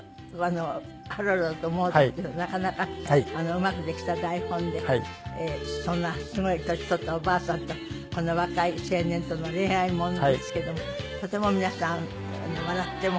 『ハロルドとモード』っていうなかなかうまくできた台本でそんなすごい年取ったおばあさんとこの若い青年との恋愛ものですけども。